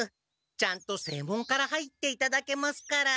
ちゃんと正門から入っていただけますから。